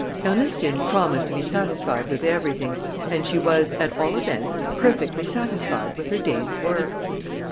Ernestine promised to be satisfied with everything, and she was, at all events, perfectly satisfied with her day's work.